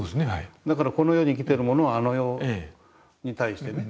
だからこの世に生きてるものはあの世に対してね。